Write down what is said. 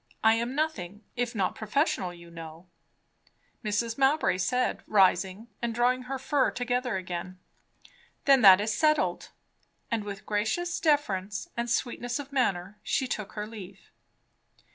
I am nothing if not professional, you know," Mrs. Mowbray said rising and drawing her fur together again. "Then that is settled." And with gracious deference and sweetness of manner she took her leave.